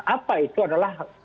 apa itu adalah